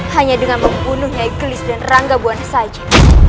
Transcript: hanya dengan membunuhnya iglis dan ranggabwana saja